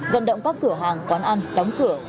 gần động các cửa hàng quán ăn đóng cửa